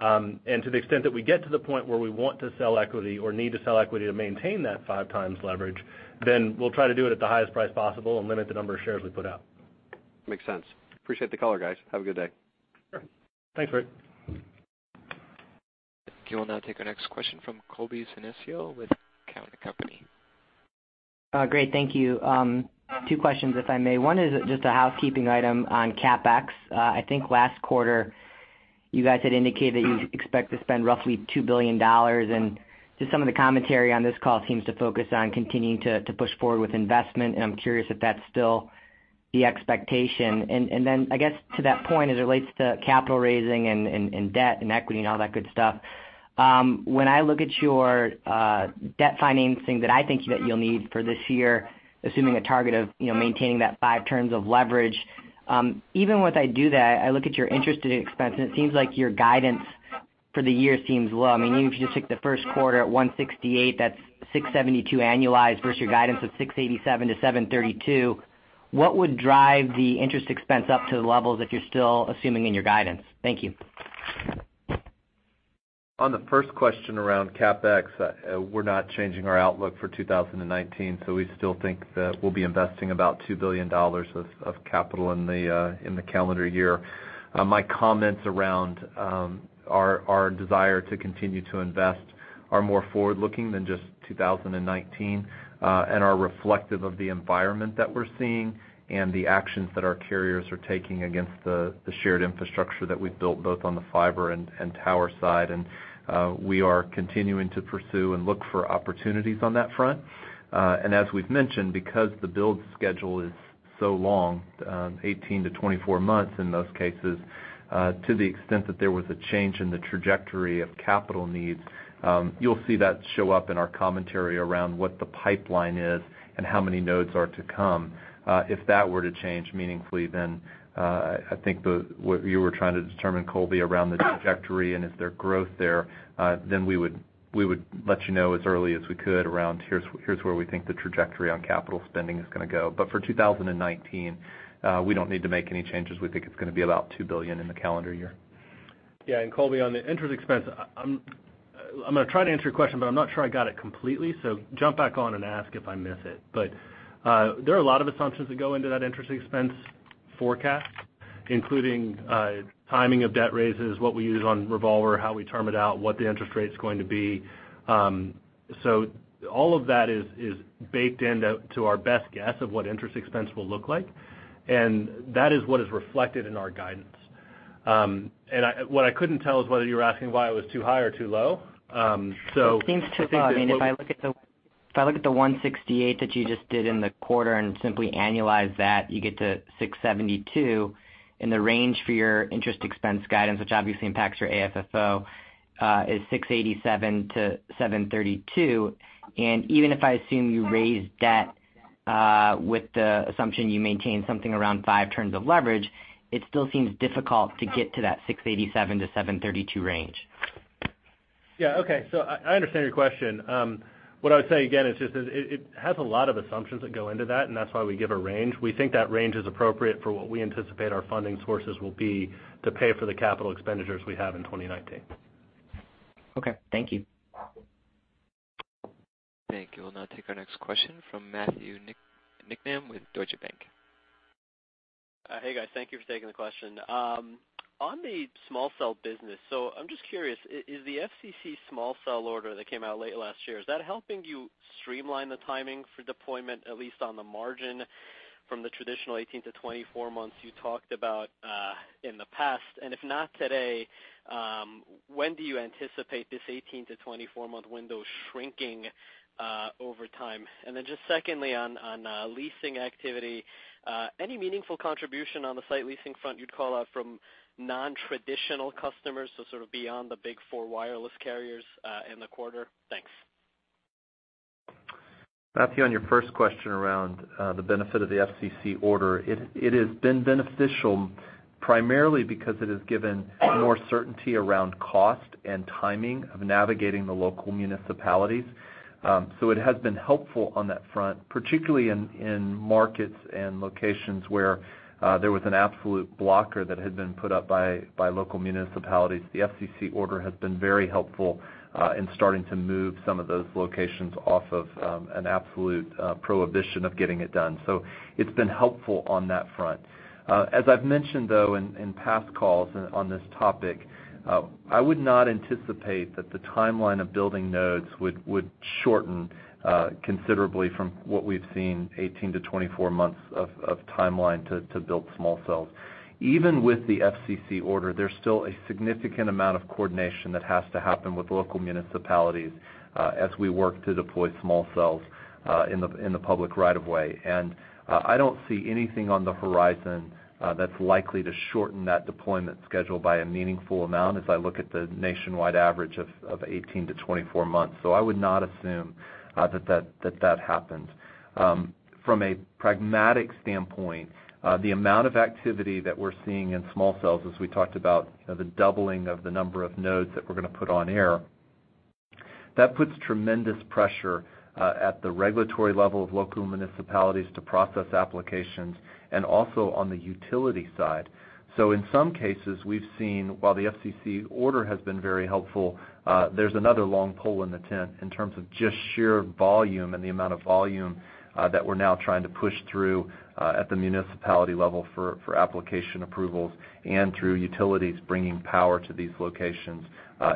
S4: To the extent that we get to the point where we want to sell equity or need to sell equity to maintain that five times leverage, we'll try to do it at the highest price possible and limit the number of shares we put out.
S10: Makes sense. Appreciate the color, guys. Have a good day.
S4: Sure.
S3: Thanks, Ric.
S1: Okay, we'll now take our next question from Colby Synesael with Cowen and Company.
S11: Great. Thank you. Two questions, if I may. One is just a housekeeping item on CapEx. I think last quarter, you guys had indicated that you expect to spend roughly $2 billion. Just some of the commentary on this call seems to focus on continuing to push forward with investment, and I'm curious if that's still the expectation. Then I guess to that point, as it relates to capital raising and debt and equity and all that good stuff, when I look at your debt financing that I think that you'll need for this year, assuming a target of maintaining that five turns of leverage. Even once I do that, I look at your interest expense, and it seems like your guidance for the year seems low. Even if you just took the first quarter at $168, that's $672 annualized versus your guidance of $687-$732. What would drive the interest expense up to the levels if you're still assuming in your guidance? Thank you.
S3: On the first question around CapEx, we're not changing our outlook for 2019. We still think that we'll be investing about $2 billion of capital in the calendar year. My comments around our desire to continue to invest are more forward-looking than just 2019, are reflective of the environment that we're seeing and the actions that our carriers are taking against the shared infrastructure that we've built, both on the fiber and tower side. We are continuing to pursue and look for opportunities on that front. As we've mentioned, because the build schedule is so long, 18 to 24 months in most cases, to the extent that there was a change in the trajectory of capital needs, you'll see that show up in our commentary around what the pipeline is and how many nodes are to come. If that were to change meaningfully, I think what you were trying to determine, Colby, around the trajectory and is there growth there, we would let you know as early as we could around here's where we think the trajectory on capital spending is going to go. For 2019, we don't need to make any changes. We think it's going to be about $2 billion in the calendar year.
S4: Yeah. Colby, on the interest expense, I'm going to try to answer your question, I'm not sure I got it completely, jump back on and ask if I miss it. There are a lot of assumptions that go into that interest expense forecast, including timing of debt raises, what we use on revolver, how we term it out, what the interest rate's going to be. All of that is baked into our best guess of what interest expense will look like, and that is what is reflected in our guidance. What I couldn't tell is whether you were asking why it was too high or too low.
S11: It seems too low. If I look at the 168 that you just did in the quarter and simply annualize that, you get to 672. The range for your interest expense guidance, which obviously impacts your AFFO, is $687-$732. Even if I assume you raise debt with the assumption you maintain something around five turns of leverage, it still seems difficult to get to that $687-$732 range.
S4: Yeah. Okay. I understand your question. What I would say, again, it has a lot of assumptions that go into that. That's why we give a range. We think that range is appropriate for what we anticipate our funding sources will be to pay for the capital expenditures we have in 2019.
S11: Okay. Thank you.
S1: Thank you. We'll now take our next question from Matthew Niknam with Deutsche Bank.
S12: Hey, guys. Thank you for taking the question. On the small cell business, I'm just curious, is the FCC small cell order that came out late last year, is that helping you streamline the timing for deployment, at least on the margin from the traditional 18-24 months you talked about in the past? If not today, when do you anticipate this 18-24 month window shrinking over time? Secondly, on leasing activity, any meaningful contribution on the site leasing front you'd call out from non-traditional customers, sort of beyond the big four wireless carriers in the quarter? Thanks.
S3: Matthew, on your first question around the benefit of the FCC order, it has been beneficial primarily because it has given more certainty around cost and timing of navigating the local municipalities. It has been helpful on that front, particularly in markets and locations where there was an absolute blocker that had been put up by local municipalities. The FCC order has been very helpful in starting to move some of those locations off of an absolute prohibition of getting it done. It's been helpful on that front. As I've mentioned, though, in past calls on this topic, I would not anticipate that the timeline of building nodes would shorten considerably from what we've seen, 18-24 months of timeline to build small cells. Even with the FCC order, there's still a significant amount of coordination that has to happen with local municipalities as we work to deploy small cells in the public right of way. I don't see anything on the horizon that's likely to shorten that deployment schedule by a meaningful amount as I look at the nationwide average of 18-24 months. I would not assume that that happens. From a pragmatic standpoint, the amount of activity that we're seeing in small cells, as we talked about, the doubling of the number of nodes that we're going to put on air, that puts tremendous pressure at the regulatory level of local municipalities to process applications, and also on the utility side. In some cases we've seen, while the FCC order has been very helpful, there's another long pole in the tent in terms of just sheer volume and the amount of volume that we're now trying to push through at the municipality level for application approvals and through utilities bringing power to these locations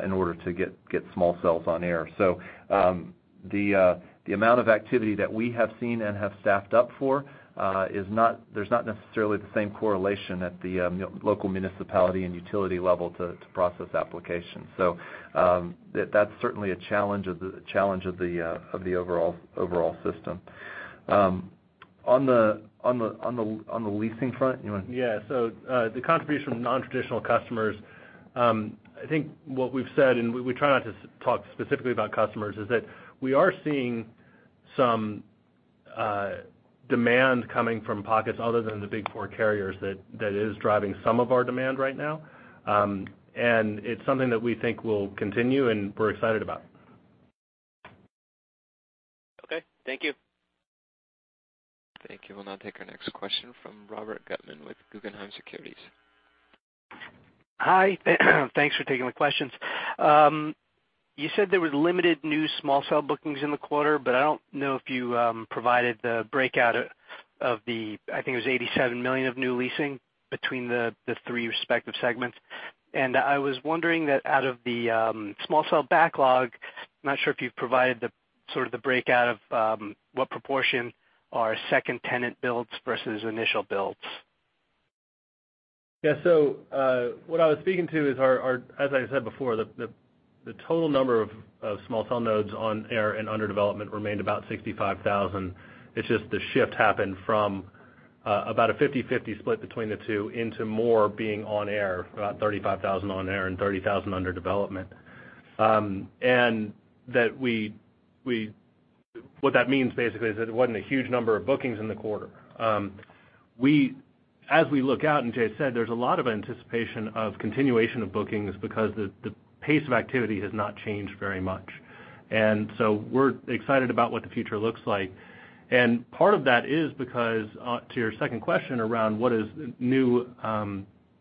S3: in order to get small cells on air. The amount of activity that we have seen and have staffed up for, there's not necessarily the same correlation at the local municipality and utility level to process applications. That's certainly a challenge of the overall system. On the leasing front, you want to-
S4: Yeah. The contribution from non-traditional customers, I think what we've said, and we try not to talk specifically about customers, is that we are seeing some demand coming from pockets other than the big four carriers that is driving some of our demand right now. It's something that we think will continue, and we're excited about.
S12: Okay. Thank you.
S1: Thank you. We'll now take our next question from Robert Gutman with Guggenheim Securities.
S13: Hi. Thanks for taking the questions. You said there was limited new small cell bookings in the quarter, but I don't know if you provided the breakout of the, I think it was $87 million of new leasing between the three respective segments. I was wondering that out of the small cell backlog, I'm not sure if you've provided the breakout of what proportion are second tenant builds versus initial builds.
S4: What I was speaking to is, as I said before, the total number of small cell nodes on air and under development remained about 65,000. It's just the shift happened from about a 50/50 split between the two into more being on air, about 35,000 on air and 30,000 under development. What that means basically is that it wasn't a huge number of bookings in the quarter. As we look out, and Jay said, there's a lot of anticipation of continuation of bookings because the pace of activity has not changed very much. We're excited about what the future looks like. Part of that is because, to your second question around what is new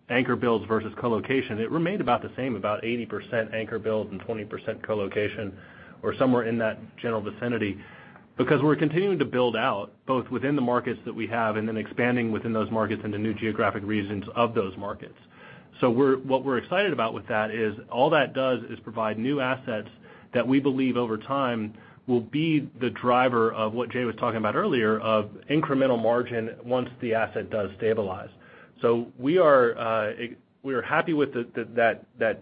S4: anchor builds versus colocation, it remained about the same, about 80% anchor build and 20% colocation, or somewhere in that general vicinity. Because we're continuing to build out both within the markets that we have and then expanding within those markets into new geographic regions of those markets. What we're excited about with that is all that does is provide new assets that we believe over time will be the driver of what Jay was talking about earlier, of incremental margin once the asset does stabilize. We are happy with that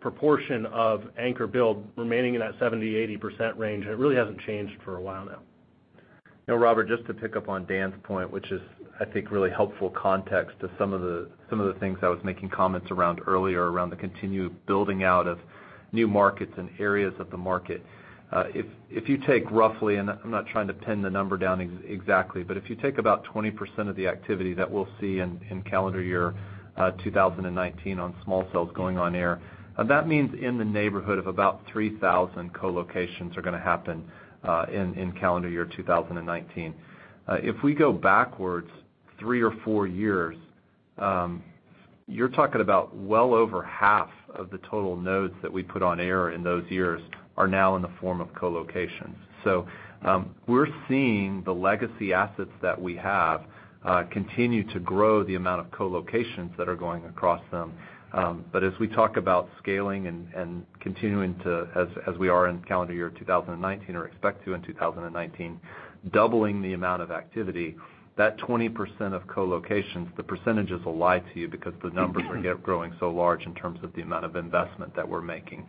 S4: proportion of anchor build remaining in that 70%-80% range, it really hasn't changed for a while now.
S3: Robert, just to pick up on Dan's point, which is, I think, really helpful context to some of the things I was making comments around earlier, around the continued building out of new markets and areas of the market. If you take roughly, and I'm not trying to pin the number down exactly, but if you take about 20% of the activity that we'll see in calendar year 2019 on small cells going on air, that means in the neighborhood of about 3,000 colocations are going to happen in calendar year 2019. If we go backwards three or four years, you're talking about well over half of the total nodes that we put on air in those years are now in the form of colocation. We're seeing the legacy assets that we have continue to grow the amount of colocations that are going across them. As we talk about scaling and continuing to, as we are in calendar year 2019 or expect to in 2019, doubling the amount of activity, that 20% of colocations, the percentages will lie to you because the numbers are growing so large in terms of the amount of investment that we're making.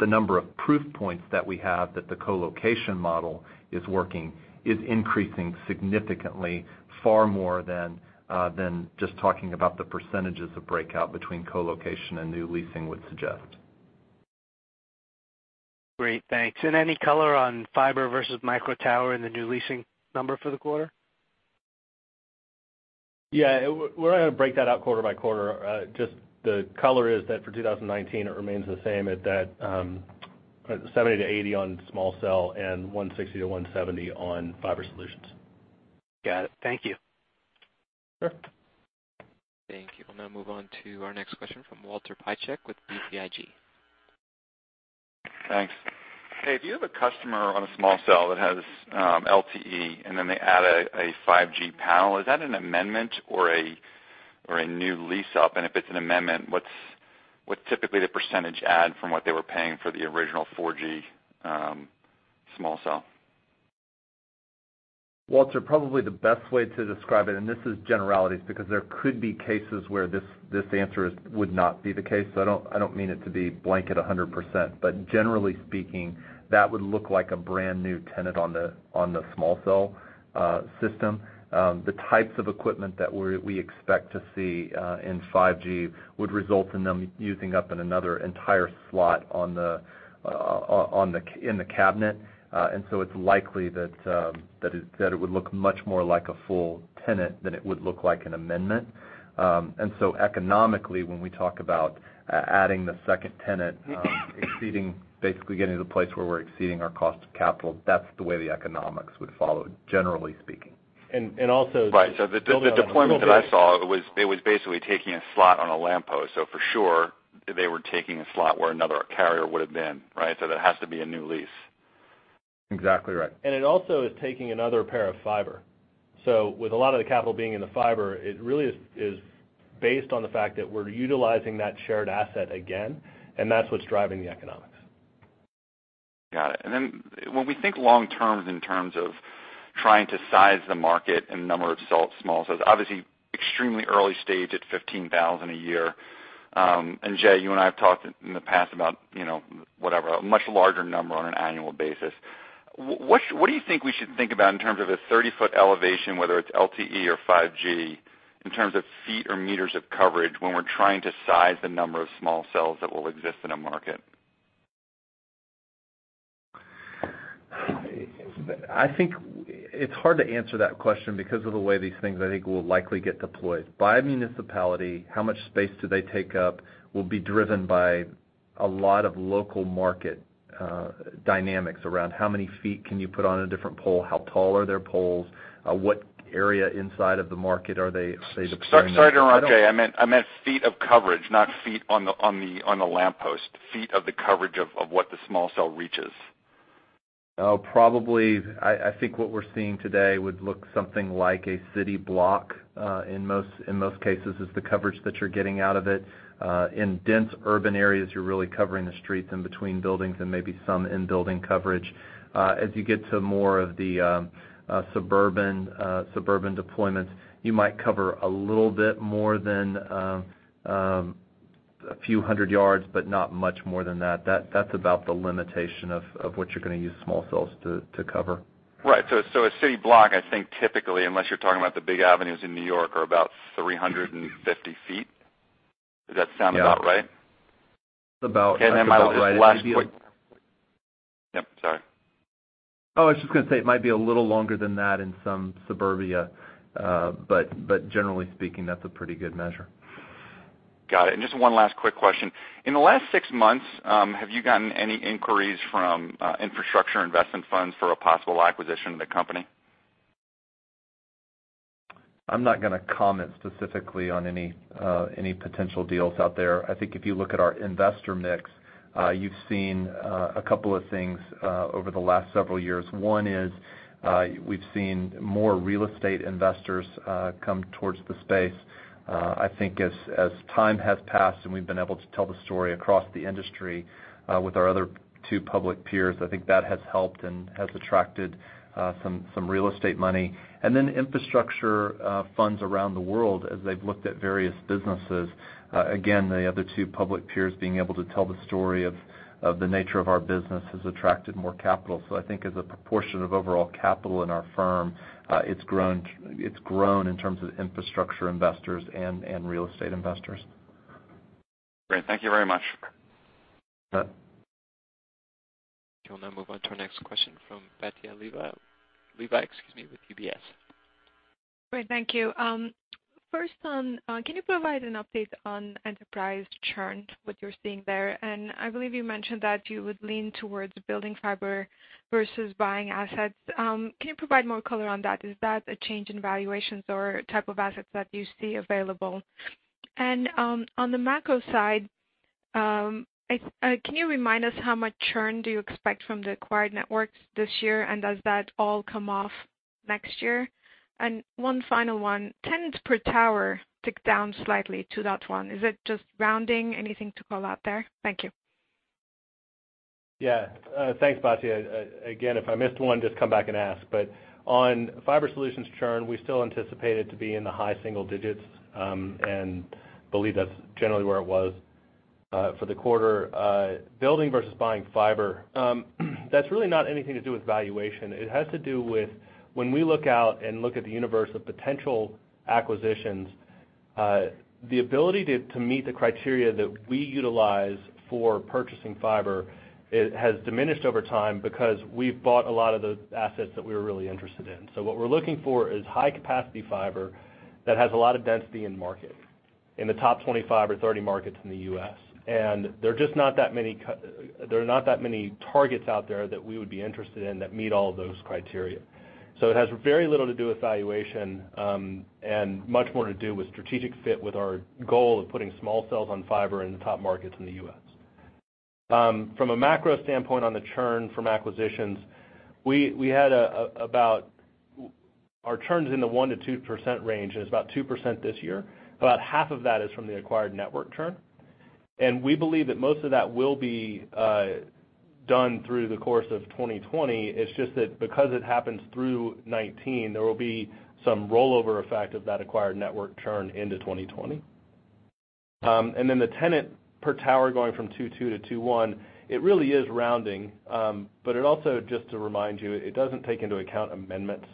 S3: The number of proof points that we have that the colocation model is working is increasing significantly far more than just talking about the percentages of breakout between colocation and new leasing would suggest.
S13: Great. Thanks. Any color on fiber versus micro tower in the new leasing number for the quarter?
S4: Yeah. We're going to break that out quarter by quarter. Just the color is that for 2019, it remains the same at that 70-80 on small cell and 160-170 on Fiber Solutions.
S13: Got it. Thank you.
S4: Sure.
S1: Thank you. I'll now move on to our next question from Walter Piecyk with BTIG.
S14: Thanks. Hey, if you have a customer on a small cell that has LTE and then they add a 5G panel, is that an amendment or a new lease up? If it's an amendment, what's typically the % add from what they were paying for the original 4G small cell?
S3: Walter, probably the best way to describe it, and this is generalities, because there could be cases where this answer would not be the case. I don't mean it to be blanket 100%, but generally speaking, that would look like a brand new tenant on the small cell system. The types of equipment that we expect to see in 5G would result in them using up another entire slot in the cabinet. It's likely that it would look much more like a full tenant than it would look like an amendment. Economically, when we talk about adding the second tenant, basically getting to the place where we're exceeding our cost of capital, that's the way the economics would follow, generally speaking.
S4: And also-
S14: Right. The deployment that I saw, it was basically taking a slot on a lamppost. For sure, they were taking a slot where another carrier would've been, right? That has to be a new lease.
S3: Exactly right.
S4: It also is taking another pair of fiber. With a lot of the capital being in the fiber, it really is based on the fact that we're utilizing that shared asset again, and that's what's driving the economics.
S14: Got it. When we think long term in terms of trying to size the market and number of small cells, obviously extremely early stage at 15,000 a year. Jay, you and I have talked in the past about, whatever, a much larger number on an annual basis. What do you think we should think about in terms of a 30-foot elevation, whether it's LTE or 5G, in terms of feet or meters of coverage when we're trying to size the number of small cells that will exist in a market?
S3: I think it's hard to answer that question because of the way these things, I think, will likely get deployed. By municipality, how much space do they take up will be driven by a lot of local market dynamics around how many feet can you put on a different pole, how tall are their poles, what area inside of the market are they deploying
S14: Sorry to interrupt, Jay. I meant feet of coverage, not feet on the lamppost. Feet of the coverage of what the small cell reaches.
S3: Probably, I think what we're seeing today would look something like a city block, in most cases, is the coverage that you're getting out of it. In dense urban areas, you're really covering the streets in between buildings and maybe some in-building coverage. As you get to more of the suburban deployments, you might cover a little bit more than a few hundred yards, but not much more than that. That's about the limitation of what you're going to use small cells to cover.
S14: Right. A city block, I think typically, unless you're talking about the big avenues in New York, are about 350 feet. Does that sound about right?
S3: It's about
S14: Yep, sorry.
S3: Oh, I was just going to say it might be a little longer than that in some suburbia. Generally speaking, that's a pretty good measure.
S14: Got it. Just one last quick question. In the last six months, have you gotten any inquiries from infrastructure investment funds for a possible acquisition of the company?
S3: I'm not going to comment specifically on any potential deals out there. I think if you look at our investor mix, you've seen a couple of things over the last several years. One is, we've seen more real estate investors come towards the space. I think as time has passed and we've been able to tell the story across the industry with our other two public peers, I think that has helped and has attracted some real estate money. Infrastructure funds around the world, as they've looked at various businesses. Again, the other two public peers being able to tell the story of the nature of our business has attracted more capital. I think as a proportion of overall capital in our firm, it's grown in terms of infrastructure investors and real estate investors.
S14: Great. Thank you very much.
S3: Sure.
S1: We'll now move on to our next question from Batya Levi with UBS.
S15: Great. Thank you. First on, can you provide an update on enterprise churn, what you're seeing there? I believe you mentioned that you would lean towards building fiber versus buying assets. Can you provide more color on that? Is that a change in valuations or type of assets that you see available? On the macro side, can you remind us how much churn do you expect from the acquired networks this year, and does that all come off next year? One final one, tenants per tower ticked down slightly, 2.1. Is it just rounding? Anything to call out there? Thank you.
S4: Yeah. Thanks, Batya. Again, if I missed one, just come back and ask. On Fiber Solutions churn, we still anticipate it to be in the high single digits, and believe that's generally where it was for the quarter. Building versus buying fiber, that's really not anything to do with valuation. It has to do with when we look out and look at the universe of potential acquisitions. The ability to meet the criteria that we utilize for purchasing fiber has diminished over time because we've bought a lot of the assets that we were really interested in. What we're looking for is high-capacity fiber that has a lot of density in market, in the top 25 or 30 markets in the U.S. There are not that many targets out there that we would be interested in that meet all of those criteria. It has very little to do with valuation and much more to do with strategic fit with our goal of putting small cells on fiber in the top markets in the U.S. From a macro standpoint on the churn from acquisitions, our churn's in the 1%-2% range, and it's about 2% this year. About half of that is from the acquired network churn, and we believe that most of that will be done through the course of 2020. It's just that because it happens through 2019, there will be some rollover effect of that acquired network churn into 2020. The tenant per tower going from 2.2 to 2.1. It really is rounding. It also, just to remind you, it doesn't take into account amendments,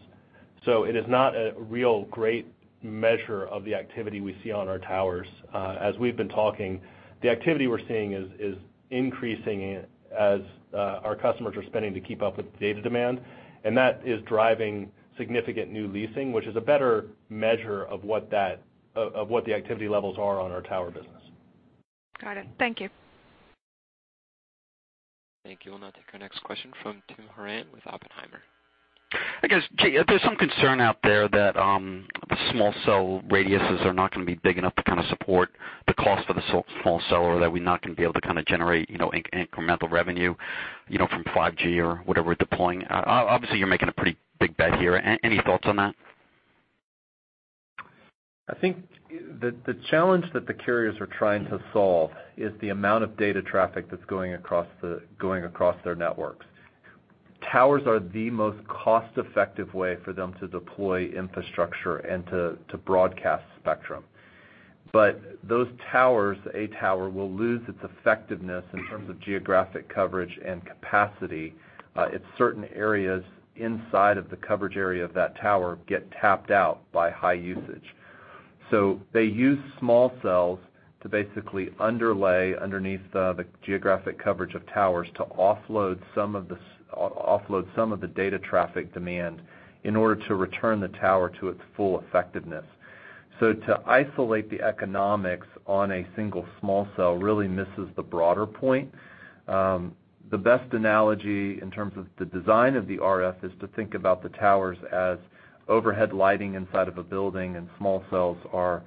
S4: so it is not a real great measure of the activity we see on our towers. As we've been talking, the activity we're seeing is increasing as our customers are spending to keep up with data demand, and that is driving significant new leasing, which is a better measure of what the activity levels are on our tower business.
S15: Got it. Thank you.
S1: Thank you. We'll now take our next question from Tim Horan with Oppenheimer.
S16: I guess, Jay, there's some concern out there that the small cell radiuses are not going to be big enough to support the cost for the small cell, or that we're not going to be able to generate incremental revenue from 5G or whatever we're deploying. Obviously, you're making a pretty big bet here. Any thoughts on that?
S3: I think the challenge that the carriers are trying to solve is the amount of data traffic that's going across their networks. Towers are the most cost-effective way for them to deploy infrastructure and to broadcast spectrum. Those towers, a tower will lose its effectiveness in terms of geographic coverage and capacity if certain areas inside of the coverage area of that tower get tapped out by high usage. They use small cells to basically underlay underneath the geographic coverage of towers to offload some of the data traffic demand in order to return the tower to its full effectiveness. To isolate the economics on a single small cell really misses the broader point. The best analogy in terms of the design of the RF is to think about the towers as overhead lighting inside of a building, small cells are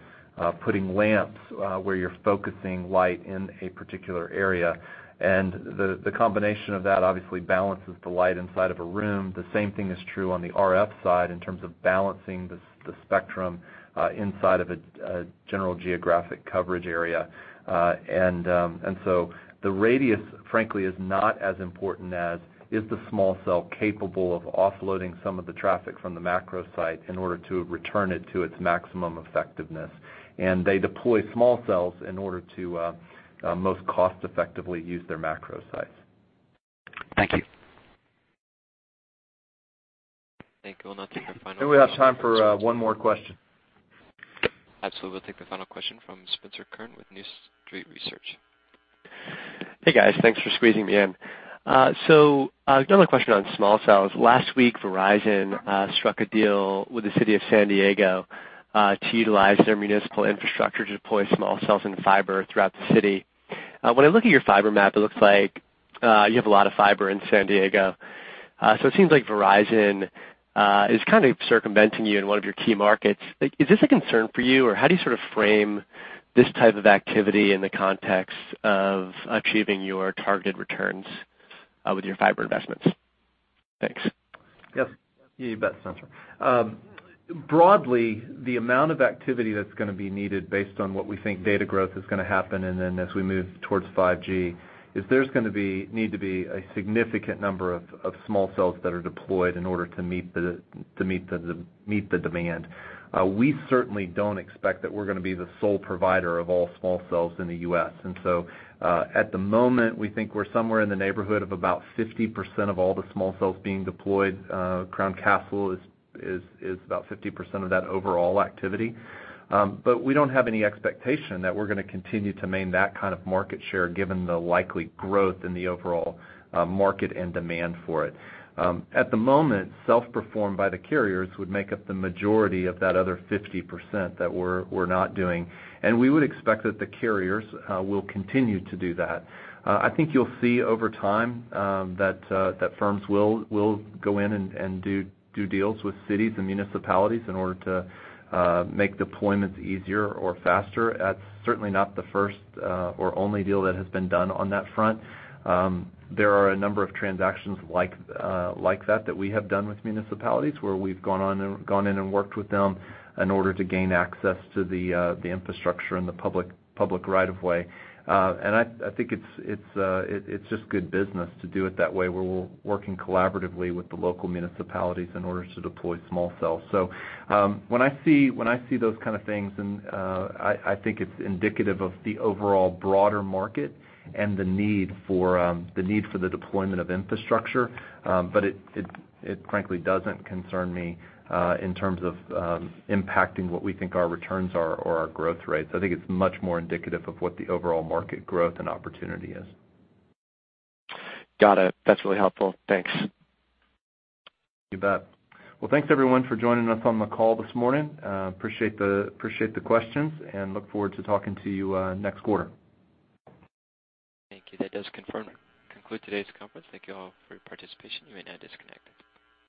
S3: putting lamps, where you're focusing light in a particular area. The combination of that obviously balances the light inside of a room. The same thing is true on the RF side in terms of balancing the spectrum inside of a general geographic coverage area. The radius, frankly, is not as important as, is the small cell capable of offloading some of the traffic from the macro site in order to return it to its maximum effectiveness? They deploy small cells in order to most cost-effectively use their macro sites.
S16: Thank you.
S1: Thank you. We'll now take our final.
S3: We have time for one more question.
S1: Absolutely. We'll take the final question from Spencer Kurn with New Street Research.
S17: Hey, guys. Thanks for squeezing me in. Another question on small cells. Last week, Verizon struck a deal with the city of San Diego to utilize their municipal infrastructure to deploy small cells and fiber throughout the city. When I look at your fiber map, it looks like you have a lot of fiber in San Diego. It seems like Verizon is circumventing you in one of your key markets. Is this a concern for you, or how do you frame this type of activity in the context of achieving your targeted returns with your fiber investments? Thanks.
S3: Yes. You bet, Spencer. Broadly, the amount of activity that's going to be needed based on what we think data growth is going to happen, then as we move towards 5G, there's going to need to be a significant number of small cells that are deployed in order to meet the demand. We certainly don't expect that we're going to be the sole provider of all small cells in the U.S. At the moment, we think we're somewhere in the neighborhood of about 50% of all the small cells being deployed. Crown Castle is about 50% of that overall activity. We don't have any expectation that we're going to continue to maintain that kind of market share given the likely growth in the overall market and demand for it. At the moment, self-performed by the carriers would make up the majority of that other 50% that we're not doing. We would expect that the carriers will continue to do that. I think you'll see over time that firms will go in and do deals with cities and municipalities in order to make deployments easier or faster. That's certainly not the first or only deal that has been done on that front. There are a number of transactions like that we have done with municipalities, where we've gone in and worked with them in order to gain access to the infrastructure and the public right of way. I think it's just good business to do it that way, where we're working collaboratively with the local municipalities in order to deploy small cells. When I see those kind of things, I think it's indicative of the overall broader market and the need for the deployment of infrastructure. It frankly doesn't concern me in terms of impacting what we think our returns are or our growth rates. I think it's much more indicative of what the overall market growth and opportunity is.
S17: Got it. That's really helpful. Thanks.
S3: You bet. Well, thanks everyone for joining us on the call this morning. Appreciate the questions and look forward to talking to you next quarter.
S1: Thank you. That does conclude today's conference. Thank you all for your participation. You may now disconnect.